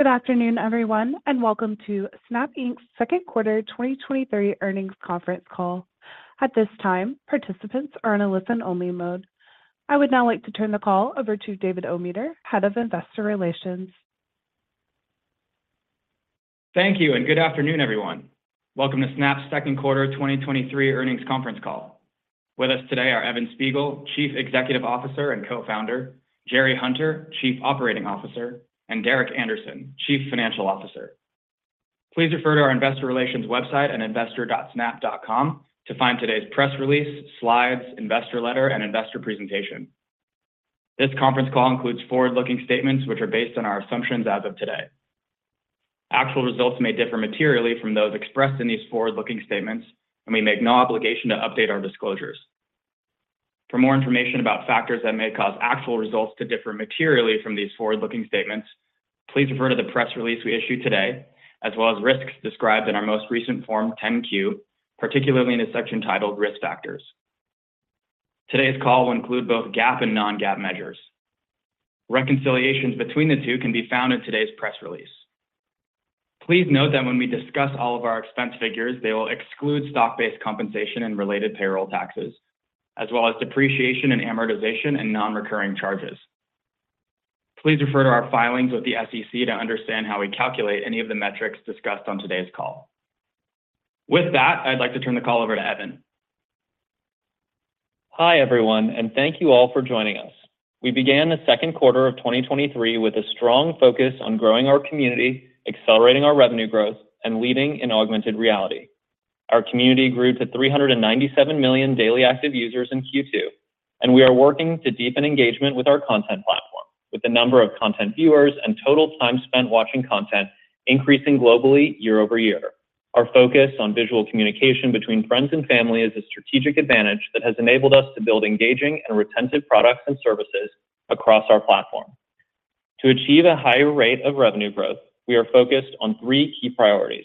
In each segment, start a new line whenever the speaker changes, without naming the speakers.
Good afternoon, everyone, welcome to Snap Inc.'s second quarter 2023 Earnings Conference Call. At this time, participants are in a listen-only mode. I would now like to turn the call over to David Ometer, Head of Investor Relations.
Thank you, good afternoon, everyone. Welcome to Snap's second quarter 2023 Earnings Conference Call. With us today are Evan Spiegel, Chief Executive Officer and Co-founder; Jerry Hunter, Chief Operating Officer; and Derek Andersen, Chief Financial Officer. Please refer to our investor relations website at investor.snap.com to find today's press release, slides, investor letter, and investor presentation. This conference call includes forward-looking statements which are based on our assumptions as of today. Actual results may differ materially from those expressed in these forward-looking statements, and we make no obligation to update our disclosures. For more information about factors that may cause actual results to differ materially from these forward-looking statements, please refer to the press release we issued today, as well as risks described in our most recent Form 10-Q, particularly in a section titled Risk Factors. Today's call will include both GAAP and non-GAAP measures. Reconciliations between the two can be found in today's press release. Please note that when we discuss all of our expense figures, they will exclude stock-based compensation and related payroll taxes, as well as depreciation and amortization and non-recurring charges. Please refer to our filings with the SEC to understand how we calculate any of the metrics discussed on today's call. I'd like to turn the call over to Evan.
Hi, everyone, thank you all for joining us. We began the second quarter of 2023 with a strong focus on growing our community, accelerating our revenue growth, and leading in augmented reality. Our community grew to 397 million daily active users in Q2, and we are working to deepen engagement with our content platform, with the number of content viewers and total time spent watching content increasing globally year-over-year. Our focus on visual communication between friends and family is a strategic advantage that has enabled us to build engaging and retentive products and services across our platform. To achieve a higher rate of revenue growth, we are focused on three key priorities: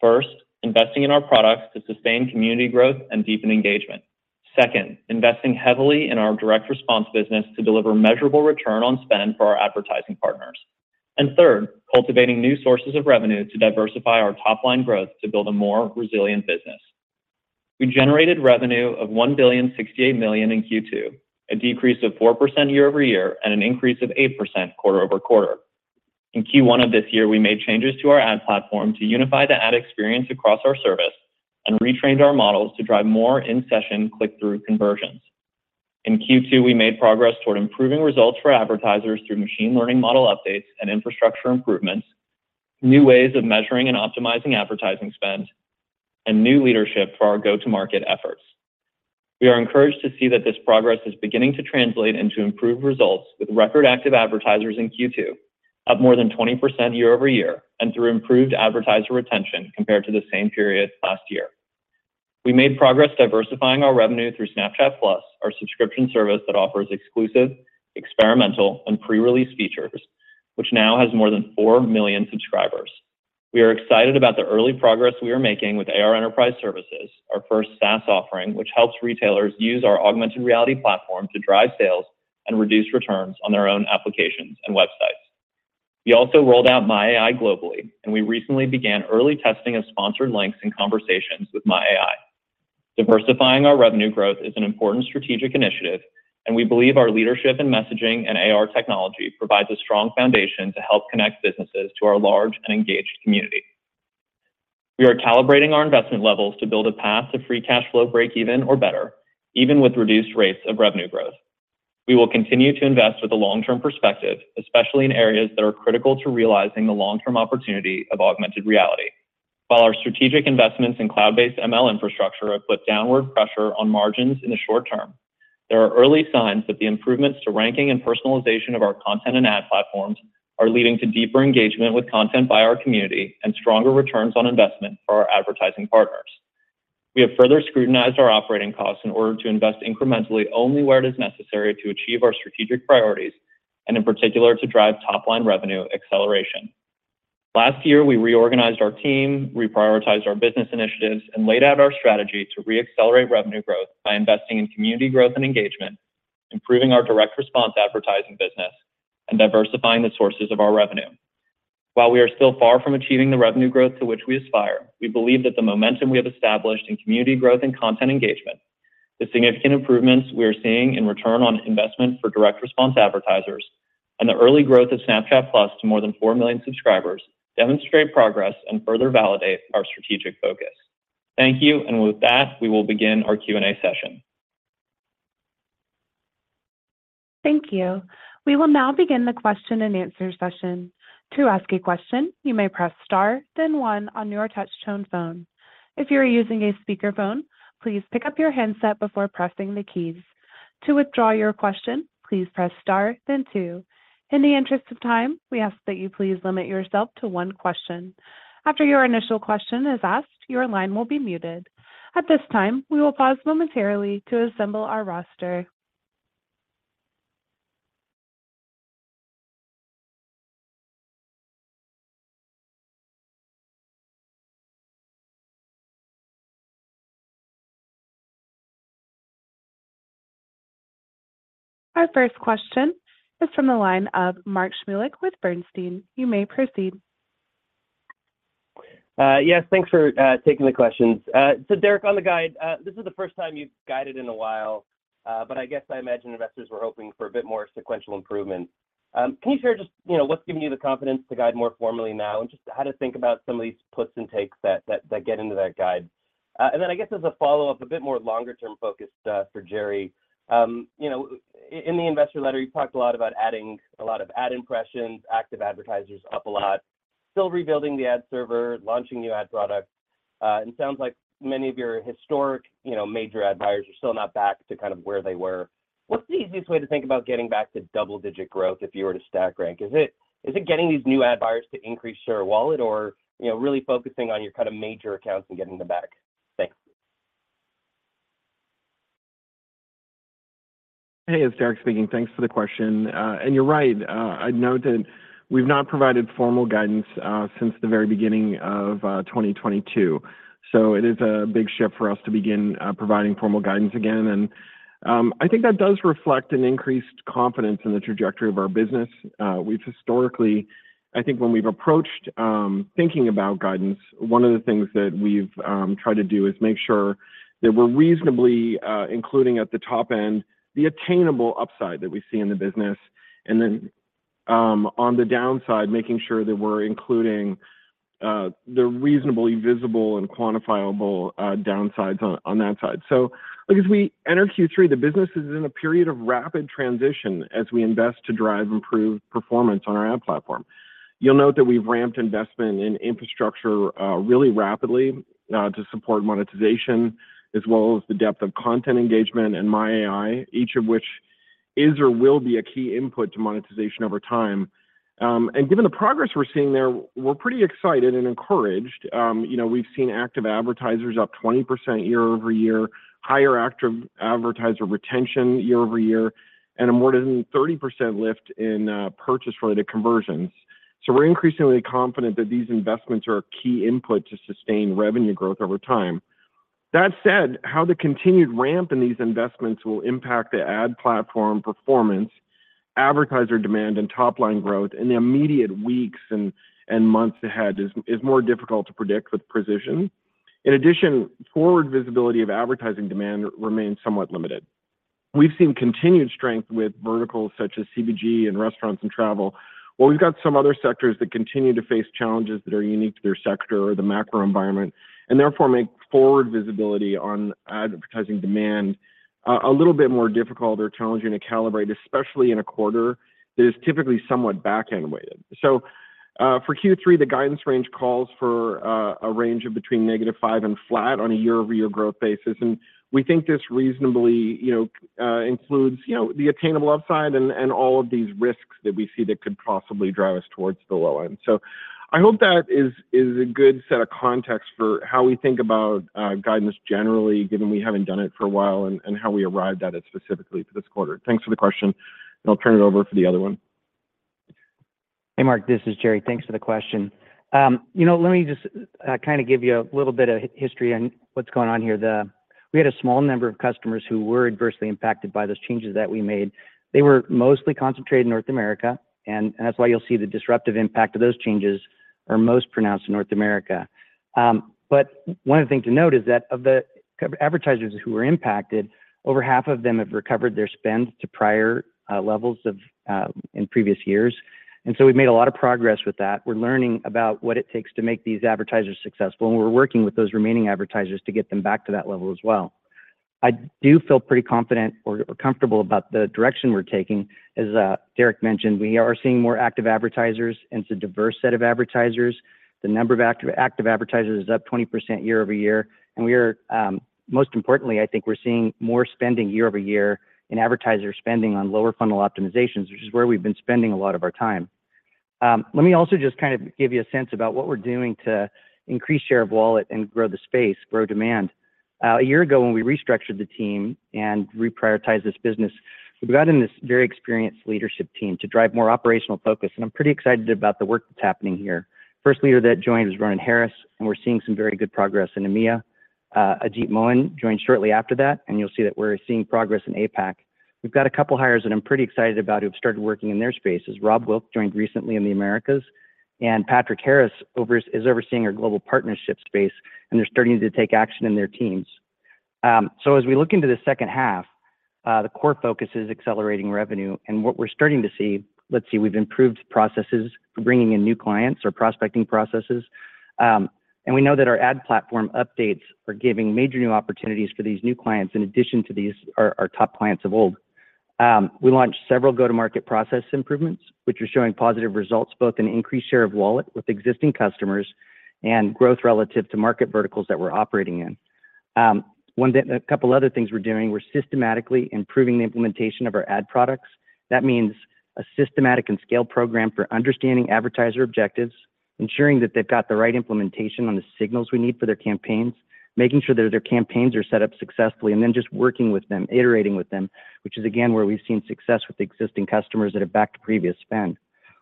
First, investing in our products to sustain community growth and deepen engagement. Second, investing heavily in our direct response business to deliver measurable return on spend for our advertising partners. Third, cultivating new sources of revenue to diversify our top-line growth to build a more resilient business. We generated revenue of $1.068 billion in Q2, a decrease of 4% year-over-year and an increase of 8% quarter-over-quarter. In Q1 of this year, we made changes to our ad platform to unify the ad experience across our service and retrained our models to drive more in-session click-through conversions. In Q2, we made progress toward improving results for advertisers through machine learning model updates and infrastructure improvements, new ways of measuring and optimizing advertising spend, and new leadership for our go-to-market efforts. We are encouraged to see that this progress is beginning to translate into improved results, with record active advertisers in Q2, up more than 20% year-over-year, and through improved advertiser retention compared to the same period last year. We made progress diversifying our revenue through Snapchat+, our subscription service that offers exclusive, experimental, and pre-release features, which now has more than four million subscribers. We are excited about the early progress we are making with AR Enterprise Services, our first SaaS offering, which helps retailers use our augmented reality platform to drive sales and reduce returns on their own applications and websites. We also rolled out My AI globally, and we recently began early testing of sponsored links and conversations with My AI. Diversifying our revenue growth is an important strategic initiative, and we believe our leadership in messaging and AR technology provides a strong foundation to help connect businesses to our large and engaged community. We are calibrating our investment levels to build a path to free cash flow breakeven or better, even with reduced rates of revenue growth. We will continue to invest with a long-term perspective, especially in areas that are critical to realizing the long-term opportunity of augmented reality. While our strategic investments in cloud-based ML infrastructure have put downward pressure on margins in the short term, there are early signs that the improvements to ranking and personalization of our content and ad platforms are leading to deeper engagement with content by our community and stronger returns on investment for our advertising partners. We have further scrutinized our operating costs in order to invest incrementally only where it is necessary to achieve our strategic priorities, and in particular, to drive top-line revenue acceleration. Last year, we reorganized our team, reprioritized our business initiatives, and laid out our strategy to re-accelerate revenue growth by investing in community growth and engagement, improving our direct response advertising business, and diversifying the sources of our revenue. While we are still far from achieving the revenue growth to which we aspire, we believe that the momentum we have established in community growth and content engagement, the significant improvements we are seeing in return on investment for direct response advertisers, and the early growth of Snapchat+ to more than four million subscribers demonstrate progress and further validate our strategic focus. Thank you. With that, we will begin our Q&A session.
Thank you. We will now begin the question and answer session. To ask a question, you may press star, then one on your touch tone phone. If you are using a speakerphone, please pick up your handset before pressing the keys. To withdraw your question, please press star, then two. In the interest of time, we ask that you please limit yourself to one question. After your initial question is asked, your line will be muted. At this time, we will pause momentarily to assemble our roster. Our first question is from the line of Mark Shmulik with Bernstein. You may proceed.
Yes, thanks for taking the questions. Derek, on the guide, this is the first time you've guided in a while, but I guess I imagine investors were hoping for a bit more sequential improvement. Can you share just, you know, what's giving you the confidence to guide more formally now and just how to think about some of these puts and takes that get into that guide? And then I guess as a follow-up, a bit more longer-term focus for Jerry. You know, in the investor letter, you talked a lot about adding a lot of ad impressions, active advertisers up a lot, still rebuilding the ad server, launching new ad products. It sounds like many of your historic, you know, major ad buyers are still not back to kind of where they were. What's the easiest way to think about getting back to double-digit growth if you were to stack rank? Is it getting these new ad buyers to increase their wallet or, you know, really focusing on your kind of major accounts and getting them back? Thanks.
Hey, it's Derek speaking. Thanks for the question. You're right. I know that we've not provided formal guidance since the very beginning of 2022, so it is a big shift for us to begin providing formal guidance again. I think that does reflect an increased confidence in the trajectory of our business. I think when we've approached thinking about guidance, one of the things that we've tried to do is make sure that we're reasonably including at the top end, the attainable upside that we see in the business, and then on the downside, making sure that we're including the reasonably visible and quantifiable downsides on that side. Look, as we enter Q3, the business is in a period of rapid transition as we invest to drive improved performance on our ad platform. You'll note that we've ramped investment in infrastructure, really rapidly, to support monetization, as well as the depth of content engagement and My AI, each of which is or will be a key input to monetization over time. Given the progress we're seeing there, we're pretty excited and encouraged. You know, we've seen active advertisers up 20% year-over-year, higher active advertiser retention year-over-year, and a more than 30% lift in purchase-related conversions. We're increasingly confident that these investments are a key input to sustain revenue growth over time. That said, how the continued ramp in these investments will impact the ad platform performance, advertiser demand, and top-line growth in the immediate weeks and months ahead is more difficult to predict with precision. In addition, forward visibility of advertising demand remains somewhat limited. We've seen continued strength with verticals such as CPG and restaurants and travel, while we've got some other sectors that continue to face challenges that are unique to their sector or the macro environment, and therefore, make forward visibility on advertising demand a little bit more difficult or challenging to calibrate, especially in a quarter that is typically somewhat back-end weighted. For Q3, the guidance range calls for a range of between -5% and 0% on a year-over-year growth basis, and we think this reasonably, you know, includes, you know, the attainable upside and all of these risks that we see that could possibly drive us towards the low end. I hope that is a good set of context for how we think about guidance generally, given we haven't done it for a while, and how we arrived at it specifically for this quarter. Thanks for the question, and I'll turn it over for the other one.
Hey, Mark, this is Jerry. Thanks for the question. You know, let me just kind of give you a little bit of history on what's going on here. We had a small number of customers who were adversely impacted by those changes that we made. They were mostly concentrated in North America. That's why you'll see the disruptive impact of those changes are most pronounced in North America. One of the things to note is that of the advertisers who were impacted, over half of them have recovered their spend to prior levels in previous years. We've made a lot of progress with that. We're learning about what it takes to make these advertisers successful. We're working with those remaining advertisers to get them back to that level as well. I do feel pretty confident or comfortable about the direction we're taking. As Derek mentioned, we are seeing more active advertisers, and it's a diverse set of advertisers. The number of active advertisers is up 20% year-over-year. Most importantly, I think we're seeing more spending year-over-year in advertiser spending on lower funnel optimizations, which is where we've been spending a lot of our time. Let me also just kind of give you a sense about what we're doing to increase share of wallet and grow the space, grow demand. A year ago, when we restructured the team and reprioritized this business, we brought in this very experienced leadership team to drive more operational focus, and I'm pretty excited about the work that's happening here. First leader that joined was Ronan Harris, and we're seeing some very good progress in EMEA. Ajit Mohan joined shortly after that, and you'll see that we're seeing progress in APAC. We've got a couple hires that I'm pretty excited about, who have started working in their spaces. Rob Wilk joined recently in the Americas, and Patrick Harris is overseeing our global partnership space, and they're starting to take action in their teams. As we look into the second half, the core focus is accelerating revenue, and what we're starting to see... Let's see, we've improved processes for bringing in new clients or prospecting processes. We know that our ad platform updates are giving major new opportunities for these new clients, in addition to these, our top clients of old. We launched several go-to-market process improvements, which are showing positive results, both in increased share of wallet with existing customers and growth relative to market verticals that we're operating in. One thing, a couple other things we're doing, we're systematically improving the implementation of our ad products. That means a systematic and scale program for understanding advertiser objectives, ensuring that they've got the right implementation on the signals we need for their campaigns, making sure that their campaigns are set up successfully, and then just working with them, iterating with them, which is, again, where we've seen success with the existing customers that have backed previous spend.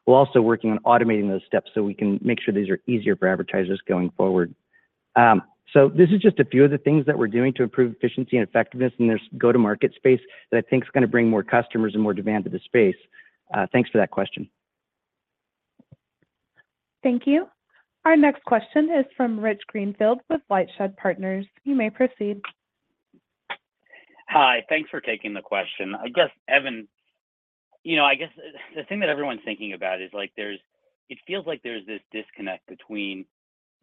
We're also working on automating those steps so we can make sure these are easier for advertisers going forward. This is just a few of the things that we're doing to improve efficiency and effectiveness in this go-to-market space that I think is going to bring more customers and more demand to the space. Thanks for that question.
Thank you. Our next question is from Rich Greenfield with LightShed Partners. You may proceed.
Hi. Thanks for taking the question. I guess, Evan, you know, I guess the thing that everyone's thinking about is, like, it feels like there's this disconnect between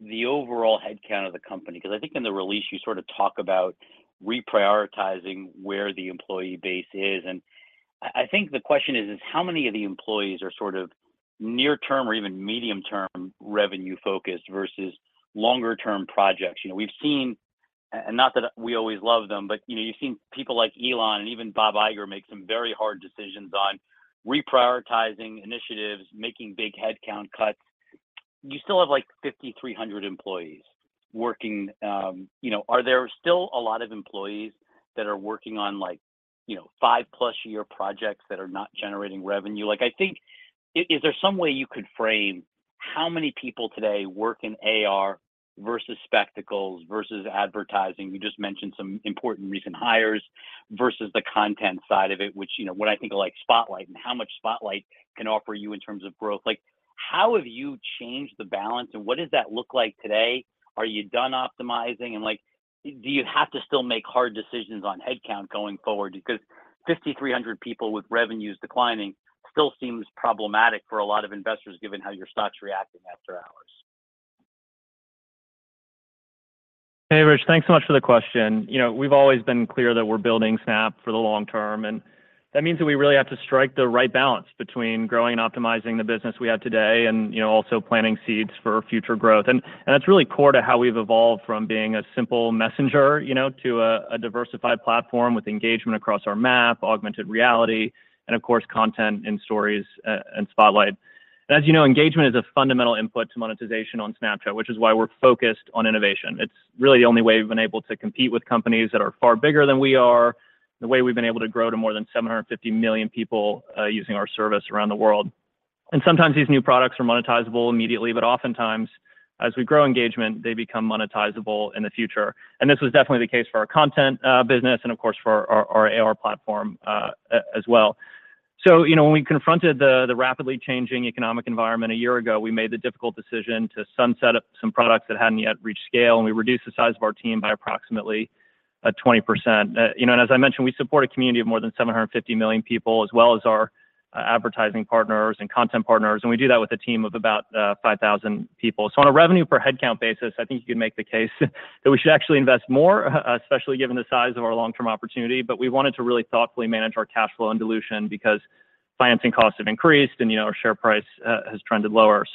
the overall headcount of the company. I think in the release you sort of talk about reprioritizing where the employee base is. I think the question is how many of the employees are sort of near term or even medium-term revenue focused versus longer term projects? You know, we've seen, and not that we always love them, but, you know, you've seen people like Elon and even Bob Iger make some very hard decisions on reprioritizing initiatives, making big headcount cuts. You still have, like, 5,300 employees working. You know, are there still a lot of employees that are working on like, you know, 5-plus year projects that are not generating revenue? Like, I think, is there some way you could frame how many people today work in AR versus Spectacles versus advertising? You just mentioned some important recent hires versus the content side of it, which, you know, what I think of, like, Spotlight and how much Spotlight can offer you in terms of growth. Like, how have you changed the balance, and what does that look like today? Are you done optimizing? Like, do you have to still make hard decisions on headcount going forward? Because 5,300 people with revenues declining still seems problematic for a lot of investors, given how your stock's reacting after hours.
Hey, Rich, thanks so much for the question. You know, we've always been clear that we're building Snap for the long term, that means that we really have to strike the right balance between growing and optimizing the business we have today and, you know, also planting seeds for future growth. That's really core to how we've evolved from being a simple messenger, you know, to a diversified platform with engagement across our Map, Augmented Reality, and of course, content in Stories and Spotlight. As you know, engagement is a fundamental input to monetization on Snapchat, which is why we're focused on innovation. It's really the only way we've been able to compete with companies that are far bigger than we are, the way we've been able to grow to more than 750 million people, using our service around the world. Sometimes these new products are monetizable immediately, but oftentimes, as we grow engagement, they become monetizable in the future. This was definitely the case for our content, business and of course, for our AR platform, as well. You know, when we confronted the rapidly changing economic environment a year ago, we made the difficult decision to sunset up some products that hadn't yet reached scale, and we reduced the size of our team by approximately, 20%. As I mentioned, we support a community of more than 750 million people, as well as our advertising partners and content partners, and we do that with a team of about 5,000 people. On a revenue per headcount basis, I think you could make the case that we should actually invest more, especially given the size of our long-term opportunity. We wanted to really thoughtfully manage our cash flow and dilution because financing costs have increased, and, you know, our share price has trended lower.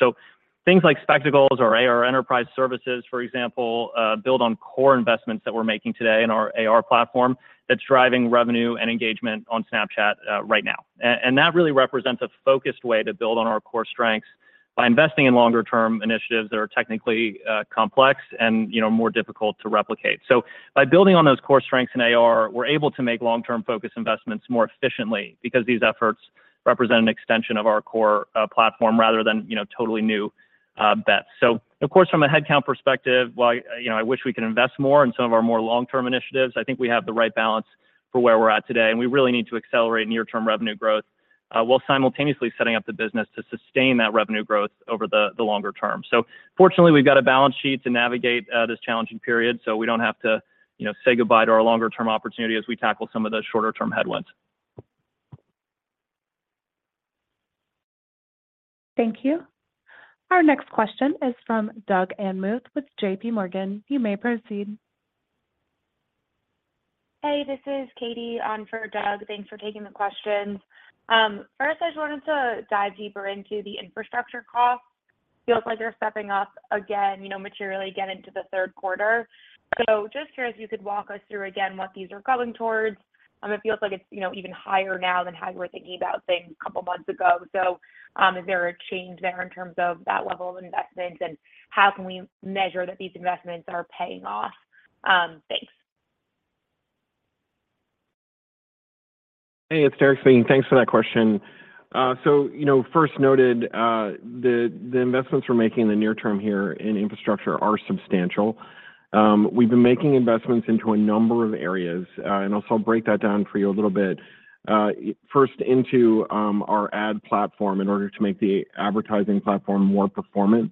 Things like Spectacles or AR Enterprise Services, for example, build on core investments that we're making today in our AR platform that's driving revenue and engagement on Snapchat right now. That really represents a focused way to build on our core strengths by investing in longer term initiatives that are technically complex and, you know, more difficult to replicate. By building on those core strengths in AR, we're able to make long-term focused investments more efficiently because these efforts represent an extension of our core platform rather than, you know, totally new bets. Of course, from a headcount perspective, while, you know, I wish we could invest more in some of our more long-term initiatives, I think we have the right balance for where we're at today, and we really need to accelerate near-term revenue growth while simultaneously setting up the business to sustain that revenue growth over the longer term. Fortunately, we've got a balance sheet to navigate this challenging period, so we don't have to, you know, say goodbye to our longer term opportunity as we tackle some of those shorter term headwinds.
Thank you. Our next question is from Doug Anmuth with JPMorgan. You may proceed.
Hey, this is Katie on for Doug. Thanks for taking the questions. First, I just wanted to dive deeper into the infrastructure costs. Feels like they're stepping up again, you know, materially again into the third quarter. Just curious if you could walk us through again what these are going towards. It feels like it's, you know, even higher now than how you were thinking about things a couple of months ago. Is there a change there in terms of that level of investment, and how can we measure that these investments are paying off? Thanks.
Hey, it's Derek speaking. Thanks for that question. You know, first noted, the investments we're making in the near term here in infrastructure are substantial. We've been making investments into a number of areas. I'll break that down for you a little bit. First into our ad platform in order to make the advertising platform more performant.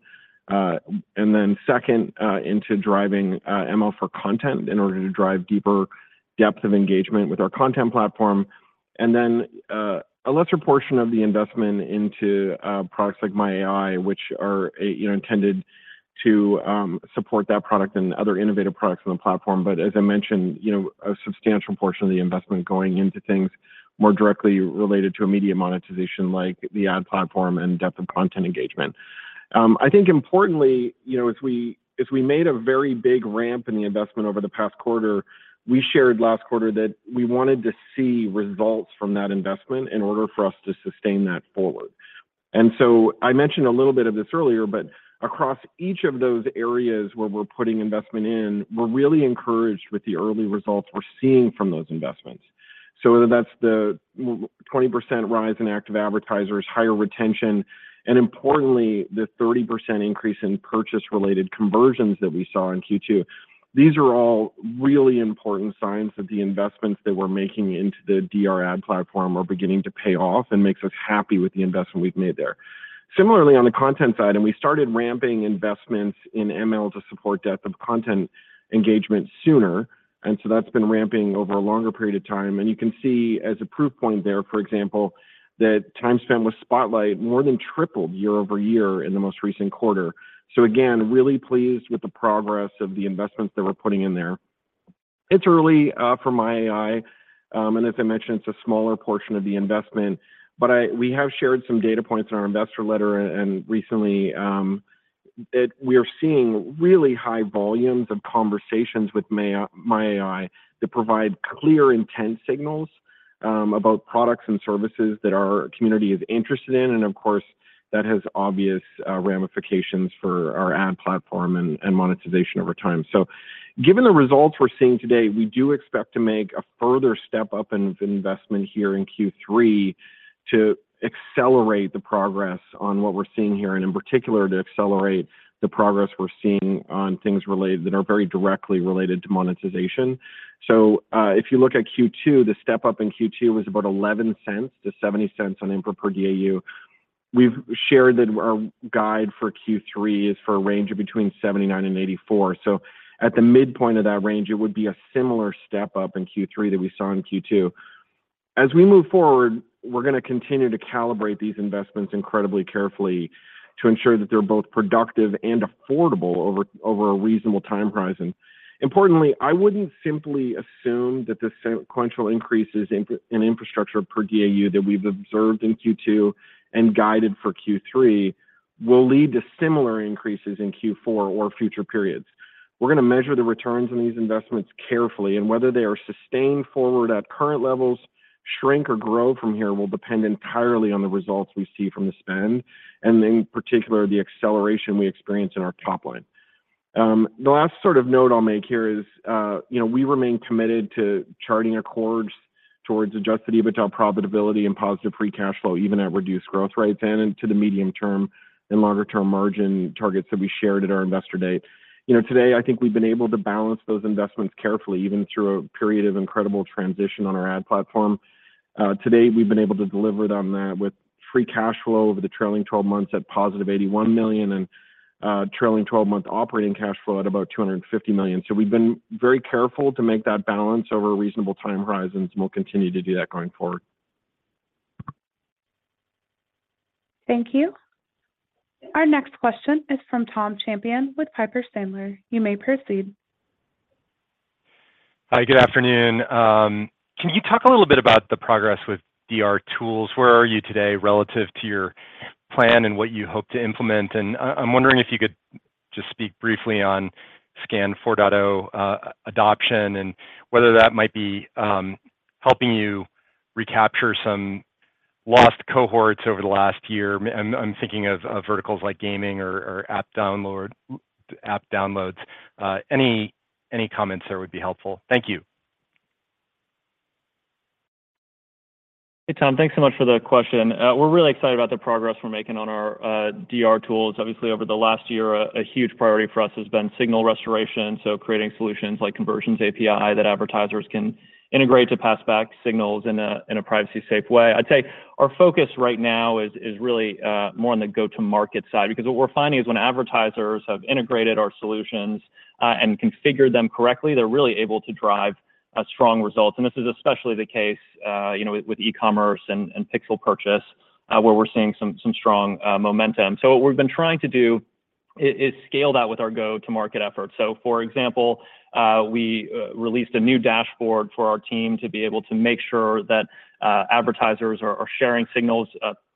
Second, into driving ML for content in order to drive deeper depth of engagement with our content platform. A lesser portion of the investment into products like My AI, which are, you know, intended to support that product and other innovative products on the platform. As I mentioned, you know, a substantial portion of the investment going into things more directly related to immediate monetization, like the ad platform and depth of content engagement. I think importantly, you know, as we, as we made a very big ramp in the investment over the past quarter, we shared last quarter that we wanted to see results from that investment in order for us to sustain that forward. I mentioned a little bit of this earlier, but across each of those areas where we're putting investment in, we're really encouraged with the early results we're seeing from those investments. Whether that's the 20% rise in active advertisers, higher retention, and importantly, the 30% increase in purchase-related conversions that we saw in Q2. These are all really important signs that the investments that we're making into the DR ad platform are beginning to pay off and makes us happy with the investment we've made there. Similarly, on the content side, we started ramping investments in ML to support depth of content engagement sooner, that's been ramping over a longer period of time. You can see as a proof point there, for example, that time spent with Spotlight more than tripled year-over-year in the most recent quarter. Again, really pleased with the progress of the investments that we're putting in there. It's early for My AI. As I mentioned, it's a smaller portion of the investment, but we have shared some data points in our investor letter, and recently, we are seeing really high volumes of conversations with My AI that provide clear intent signals about products and services that our community is interested in. Of course, that has obvious ramifications for our ad platform and monetization over time. Given the results we're seeing today, we do expect to make a further step up in investment here in Q3 to accelerate the progress on what we're seeing here, and in particular, to accelerate the progress we're seeing on things that are very directly related to monetization. If you look at Q2, the step up in Q2 was about $0.11 to $0.70 on infrastructure per DAU. We've shared that our guide for Q3 is for a range of between $0.79 and $0.84. At the midpoint of that range, it would be a similar step up in Q3 that we saw in Q2. As we move forward, we're gonna continue to calibrate these investments incredibly carefully to ensure that they're both productive and affordable over a reasonable time horizon. Importantly, I wouldn't simply assume that the sequential increases in infrastructure per DAU that we've observed in Q2 and guided for Q3 will lead to similar increases in Q4 or future periods. We're gonna measure the returns on these investments carefully, and whether they are sustained forward at current levels, shrink or grow from here, will depend entirely on the results we see from the spend, and in particular, the acceleration we experience in our top line. You know, we remain committed to charting a course towards adjusted EBITDA profitability and positive free cash flow, even at reduced growth rates and into the medium term and longer-term margin targets that we shared at our Investor Day. You know, today, I think we've been able to balance those investments carefully, even through a period of incredible transition on our ad platform. Today, we've been able to deliver on that with free cash flow over the trailing 12 months at positive $81 million and, trailing 12-month operating cash flow at about $250 million. We've been very careful to make that balance over reasonable time horizons, and we'll continue to do that going forward.
Thank you. Our next question is from Tom Champion with Piper Sandler. You may proceed.
Hi, good afternoon. Can you talk a little bit about the progress with DR tools? Where are you today relative to your plan and what you hope to implement? I'm wondering if you could just speak briefly on SKAN 4.0 adoption and whether that might be helping you recapture some lost cohorts over the last year. I'm thinking of verticals like gaming or app downloads. Any comments there would be helpful. Thank you.
Hey, Tom, thanks so much for the question. We're really excited about the progress we're making on our DR tools. Obviously, over the last year, a huge priority for us has been signal restoration, so creating solutions like Conversions API, that advertisers can integrate to pass back signals in a privacy-safe way. I'd say our focus right now is really more on the go-to-market side, because what we're finding is when advertisers have integrated our solutions and configured them correctly, they're really able to drive strong results. This is especially the case, you know, with e-commerce and pixel purchase, where we're seeing strong momentum. What we've been trying to do is scale that with our go-to-market efforts. For example, we released a new dashboard for our team to be able to make sure that advertisers are sharing signals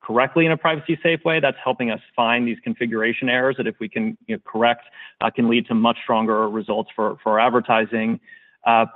correctly in a privacy-safe way. That's helping us find these configuration errors that if we can, you know, correct, can lead to much stronger results for our advertising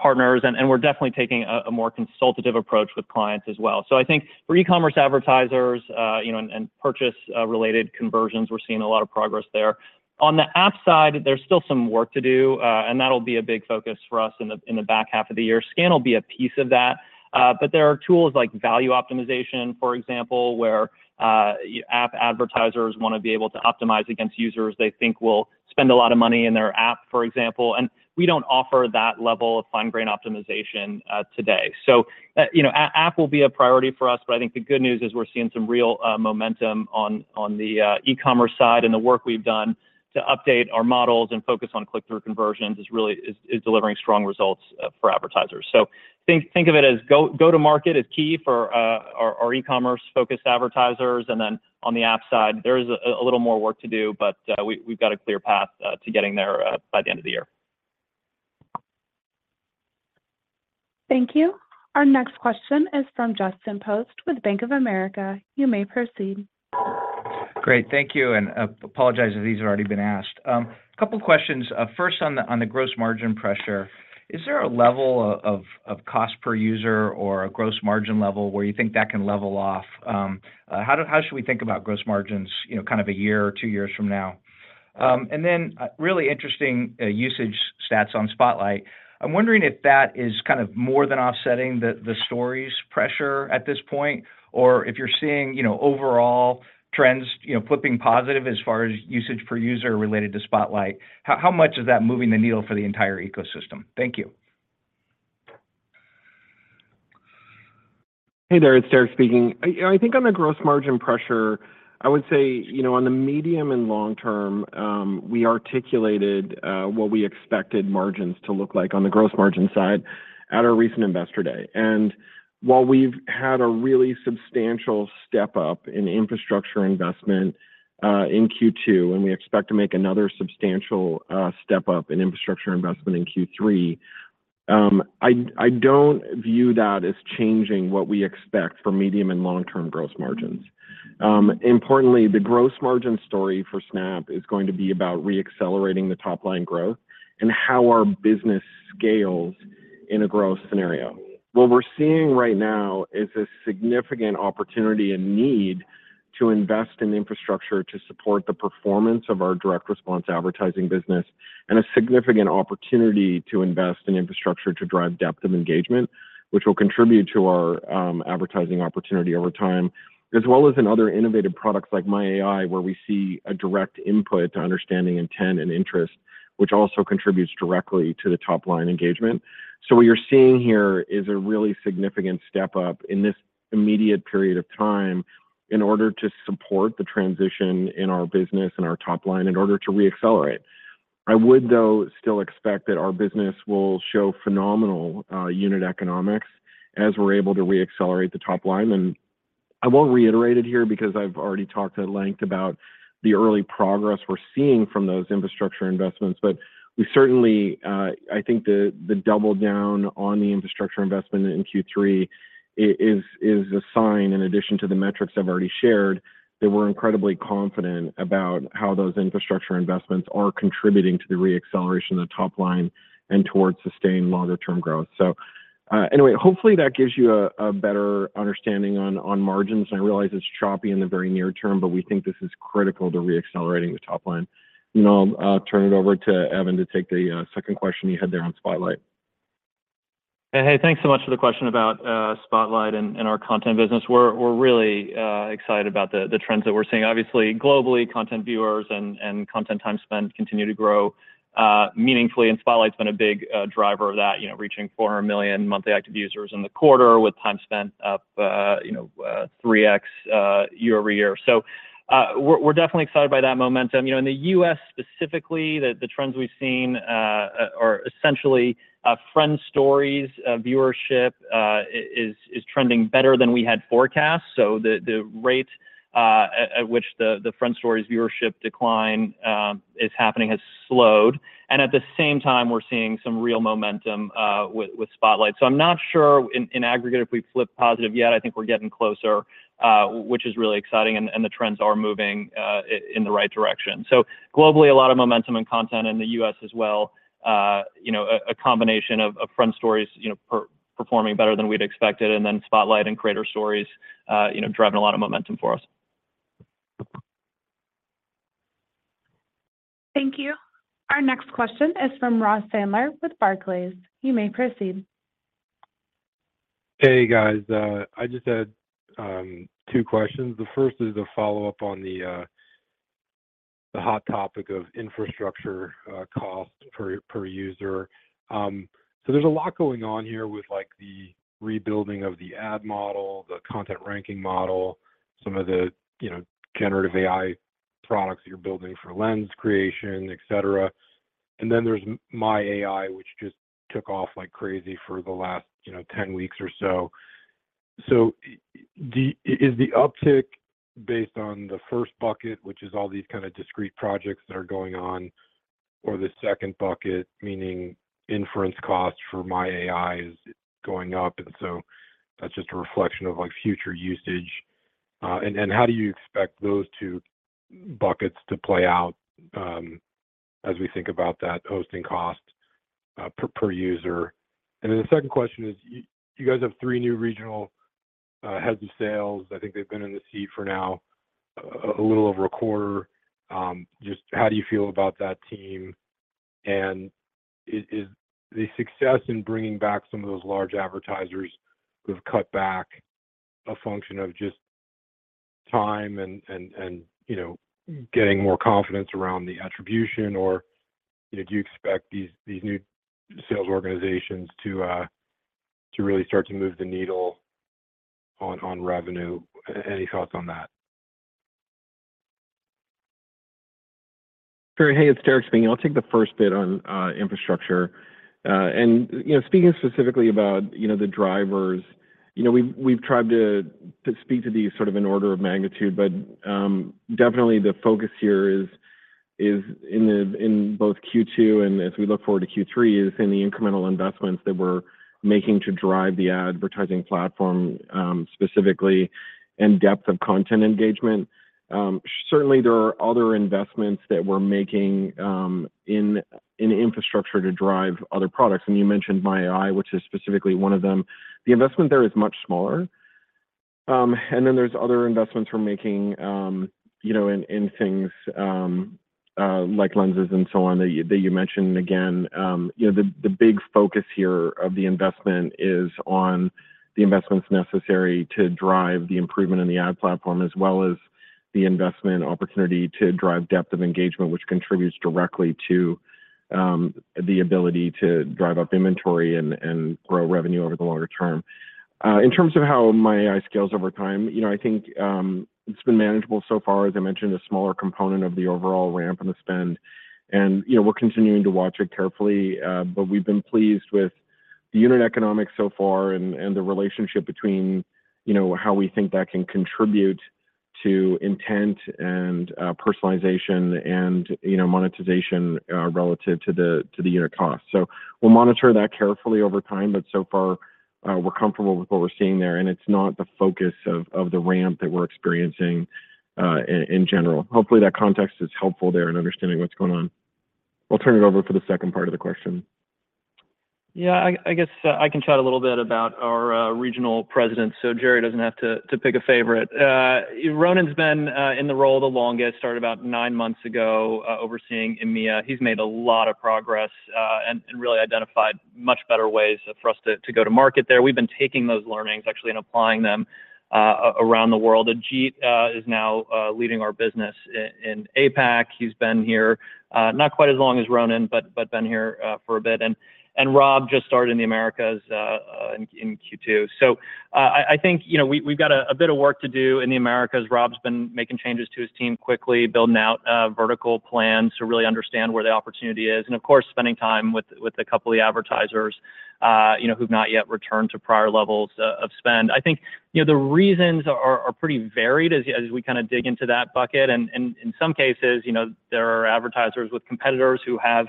partners. We're definitely taking a more consultative approach with clients as well. I think for e-commerce advertisers, you know, and purchase related conversions, we're seeing a lot of progress there. On the app side, there's still some work to do, and that'll be a big focus for us in the back half of the year. SKAN will be a piece of that, but there are tools like value optimization, for example, where app advertisers want to be able to optimize against users they think will spend a lot of money in their app, for example, and we don't offer that level of fine grain optimization today. You know, app will be a priority for us, but I think the good news is we're seeing some real momentum on the e-commerce side, and the work we've done to update our models and focus on click-through conversions is really delivering strong results for advertisers. Think of it as go-to-market is key for our e-commerce-focused advertisers, and then on the app side, there is a little more work to do, but we've got a clear path to getting there by the end of the year.
Thank you. Our next question is from Justin Post with Bank of America. You may proceed.
Great. Thank you. Apologize if these have already been asked. A couple questions. First, on the gross margin pressure, is there a level of cost per user or a gross margin level where you think that can level off? How should we think about gross margins, you know, kind of a year or two years from now? Really interesting usage stats on Spotlight. I'm wondering if that is kind of more than offsetting the Stories pressure at this point, or if you're seeing, you know, overall trends, you know, flipping positive as far as usage per user related to Spotlight? How much is that moving the needle for the entire ecosystem? Thank you.
Hey there, it's Derek speaking. I think on the gross margin pressure, I would say, you know, on the medium and long term, we articulated what we expected margins to look like on the gross margin side at our recent Investor Day. While we've had a really substantial step up in infrastructure investment in Q2, and we expect to make another substantial step up in infrastructure investment in Q3, I don't view that as changing what we expect for medium and long-term gross margins. Importantly, the gross margin story for Snap is going to be about reaccelerating the top-line growth and how our business scales in a growth scenario. What we're seeing right now is a significant opportunity and need to invest in infrastructure to support the performance of our direct response advertising business, and a significant opportunity to invest in infrastructure to drive depth of engagement, which will contribute to our advertising opportunity over time, as well as in other innovative products like My AI, where we see a direct input to understanding intent and interest, which also contributes directly to the top-line engagement. What you're seeing here is a really significant step up in this immediate period of time in order to support the transition in our business and our top line in order to reaccelerate. I would, though, still expect that our business will show phenomenal unit economics as we're able to reaccelerate the top line. I won't reiterate it here because I've already talked at length about the early progress we're seeing from those infrastructure investments. We certainly, I think the double down on the infrastructure investment in Q3 is a sign, in addition to the metrics I've already shared, that we're incredibly confident about how those infrastructure investments are contributing to the reacceleration of the top line and towards sustained longer term growth. Anyway, hopefully that gives you a better understanding on margins. I realize it's choppy in the very near term, but we think this is critical to reaccelerating the top line. I'll turn it over to Evan to take the second question you had there on Spotlight.
Hey, thanks so much for the question about Spotlight and our content business. We're really excited about the trends that we're seeing. Obviously, globally, content viewers and content time spent continue to grow meaningfully, and Spotlight's been a big driver of that, you know, reaching 400 million monthly active users in the quarter, with time spent up, you know, 3x year-over-year. We're definitely excited by that momentum. You know, in the U.S. specifically, the trends we've seen are essentially Friend Stories viewership is trending better than we had forecast. The rate at which the Friend Stories viewership decline is happening has slowed, and at the same time, we're seeing some real momentum with Spotlight. I'm not sure in aggregate, if we've flipped positive yet. I think we're getting closer, which is really exciting, and the trends are moving in the right direction. Globally, a lot of momentum and content in the U.S. as well. You know, a combination of Friend Stories, you know, performing better than we'd expected, and then Spotlight and Creator Stories, you know, driving a lot of momentum for us.
Thank you. Our next question is from Ross Sandler with Barclays. You may proceed.
Hey, guys. I just had two questions. The first is a follow-up on the hot topic of infrastructure cost per user. There's a lot going on here with, like, the rebuilding of the ad model, the content ranking model, some of the, you know, generative AI products you're building for Lens creation, etc. There's My AI, which just took off like crazy for the last, you know, 10 weeks or so. Is the uptick based on the first bucket, which is all these kind of discrete projects that are going on, or the second bucket, meaning inference costs for My AI is going up, and so that's just a reflection of, like, future usage? How do you expect those two buckets to play out, as we think about that hosting cost per user? The second question is, you guys have three new regional heads of sales. I think they've been in the seat for now, a little over a quarter. Just how do you feel about that team? Is the success in bringing back some of those large advertisers who've cut back a function of just time and, you know, getting more confidence around the attribution? Do you expect these new sales organizations to really start to move the needle on revenue? Any thoughts on that?
Sure. Hey, it's Derek Andersen speaking. I'll take the first bit on infrastructure. You know, speaking specifically about, you know, the drivers, you know, we've tried to speak to these sort of in order of magnitude. Definitely the focus here is in both Q2 and as we look forward to Q3, is in the incremental investments that we're making to drive the advertising platform, specifically, and depth of content engagement. Certainly, there are other investments that we're making, in infrastructure to drive other products, and you mentioned My AI, which is specifically one of them. The investment there is much smaller. And then there's other investments we're making, you know, in things, like Lenses and so on that you, that you mentioned again. You know, the big focus here of the investment is on the investments necessary to drive the improvement in the ad platform, as well as the investment opportunity to drive depth of engagement, which contributes directly to the ability to drive up inventory and grow revenue over the longer term. In terms of how My AI scales over time, you know, I think it's been manageable so far. As I mentioned, a smaller component of the overall ramp and the spend, and, you know, we're continuing to watch it carefully. But we've been pleased with the unit economics so far and the relationship between, you know, how we think that can contribute to intent and personalization and, you know, monetization relative to the, to the unit cost. We'll monitor that carefully over time, but so far, we're comfortable with what we're seeing there, and it's not the focus of the ramp that we're experiencing, in general. Hopefully, that context is helpful there in understanding what's going on. I'll turn it over for the second part of the question.
I guess I can chat a little bit about our regional presidents, so Jerry doesn't have to pick a favorite. Ronan's been in the role the longest, started about nine months ago, overseeing EMEA. He's made a lot of progress and really identified much better ways for us to go to market there. We've been taking those learnings, actually, and applying them around the world. Ajit is now leading our business in APAC. He's been here not quite as long as Ronan, but been here for a bit. Rob just started in the Americas in Q2. I think, you know, we've got a bit of work to do in the Americas. Rob's been making changes to his team quickly, building out vertical plans to really understand where the opportunity is, and of course, spending time with a couple of the advertisers, you know, who've not yet returned to prior levels of spend. I think, you know, the reasons are pretty varied as we kinda dig into that bucket. In some cases, you know, there are advertisers with competitors who have,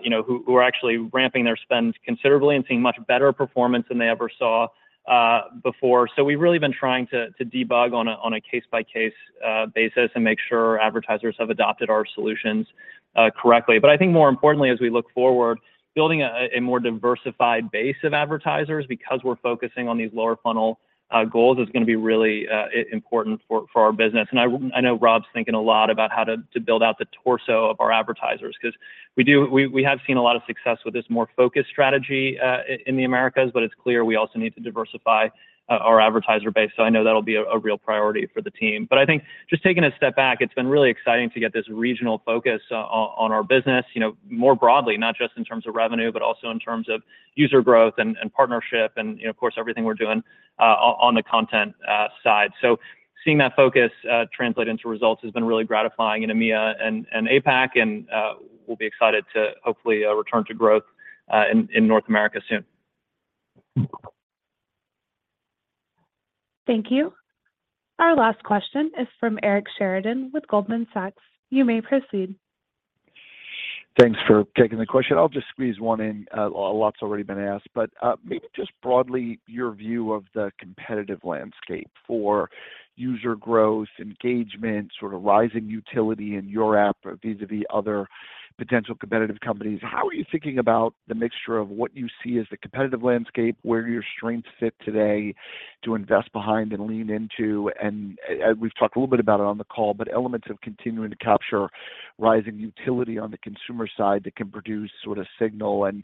you know, who are actually ramping their spend considerably and seeing much better performance than they ever saw before. We've really been trying to debug on a case-by-case basis and make sure advertisers have adopted our solutions correctly. I think more importantly, as we look forward, building a more diversified base of advertisers because we're focusing on these lower funnel goals, is gonna be really important for our business. I know Rob's thinking a lot about how to build out the torso of our advertisers, 'cause we have seen a lot of success with this more focused strategy in the Americas, but it's clear we also need to diversify our advertiser base, so I know that'll be a real priority for the team. I think just taking a step back, it's been really exciting to get this regional focus on our business, you know, more broadly, not just in terms of revenue, but also in terms of user growth and partnership, and, you know, of course, everything we're doing on the content side. So seeing that focus translate into results has been really gratifying in EMEA and APAC, and we'll be excited to hopefully return to growth in North America soon.
Thank you. Our last question is from Eric Sheridan with Goldman Sachs. You may proceed.
Thanks for taking the question. I'll just squeeze one in. A lot's already been asked, but maybe just broadly, your view of the competitive landscape for user growth, engagement, sort of rising utility in your app vis-a-vis other potential competitive companies. How are you thinking about the mixture of what you see as the competitive landscape, where your strengths sit today to invest behind and lean into? We've talked a little bit about it on the call, but elements of continuing to capture rising utility on the consumer side that can produce sort of signal and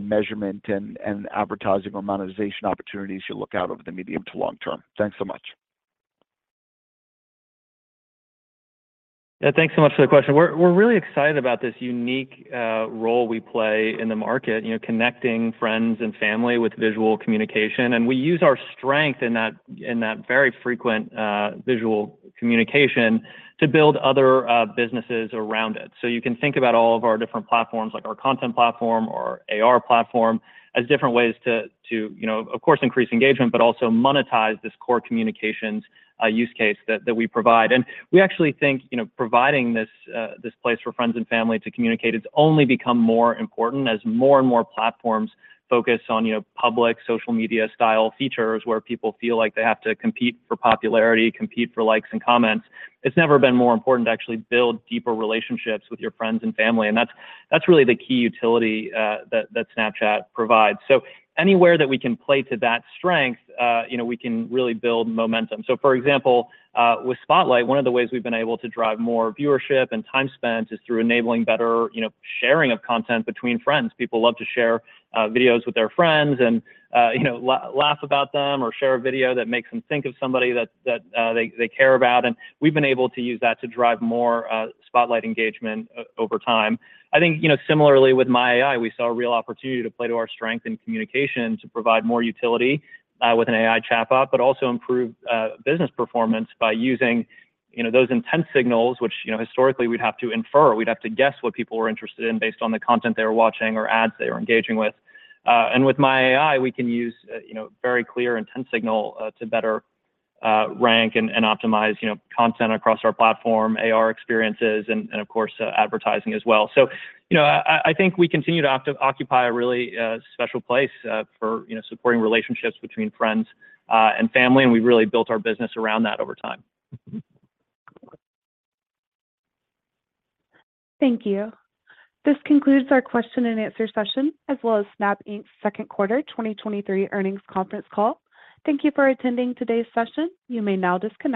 measurement and advertising or monetization opportunities you look out over the medium to long term. Thanks so much.
Yeah, thanks so much for the question. We're really excited about this unique role we play in the market, you know, connecting friends and family with visual communication, and we use our strength in that very frequent visual communication to build other businesses around it. You can think about all of our different platforms, like our content platform or AR platform, as different ways to, you know, of course, increase engagement, but also monetize this core communications use case that we provide. We actually think, you know, providing this place for friends and family to communicate, it's only become more important as more and more platforms focus on, you know, public social media-style features, where people feel like they have to compete for popularity, compete for likes and comments. It's never been more important to actually build deeper relationships with your friends and family. That's really the key utility that Snapchat provides. Anywhere that we can play to that strength, you know, we can really build momentum. For example, with Spotlight, one of the ways we've been able to drive more viewership and time spent is through enabling better, you know, sharing of content between friends. People love to share videos with their friends, you know, laugh about them or share a video that makes them think of somebody that they care about. We've been able to use that to drive more Spotlight engagement over time. I think, you know, similarly with My AI, we saw a real opportunity to play to our strength in communication, to provide more utility with an AI chatbot, but also improve business performance by using, you know, those intent signals, which, you know, historically, we'd have to infer. We'd have to guess what people were interested in based on the content they were watching or ads they were engaging with. With My AI, we can use, you know, very clear intent signal to better rank and optimize, you know, content across our platform, AR experiences, and of course, advertising as well. You know, I think we continue to occupy a really special place for, you know, supporting relationships between friends and family, and we've really built our business around that over time.
Thank you. This concludes our question and answer session, as well as Snap Inc.'s second quarter 2023 Earnings Conference Call. Thank you for attending today's session. You may now disconnect.